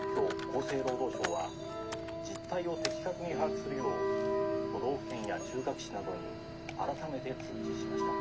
厚生労働省は実態を的確に把握するよう都道府県や中核市などに改めて通知しました」。